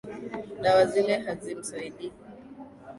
Dawa zile hazimsaidii